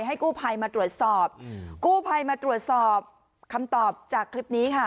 ให้กู้ภัยมาตรวจสอบกู้ภัยมาตรวจสอบคำตอบจากคลิปนี้ค่ะ